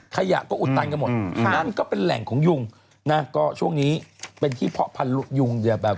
ขยะก็อุดตันกันหมดนั่นก็เป็นแหล่งของยุงนะก็ช่วงนี้เป็นที่เพาะพันธุยุงอย่าแบบ